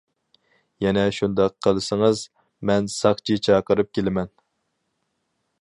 يەنە شۇنداق قىلسىڭىز، مەن ساقچى چاقىرىپ كېلىمەن!